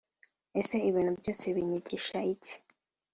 ese ibintu byose binyigisha iki